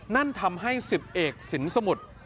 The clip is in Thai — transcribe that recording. นั่นทำให้๑๐เอกสินสมุทร